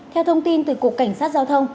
theo thông tin từ cục cảnh sát giao thông